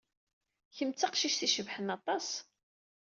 Kem d taqcict i yecebḥen aṭas.